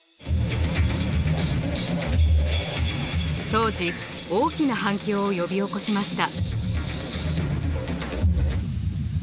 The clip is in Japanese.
当時大きな反響を呼び起こしました。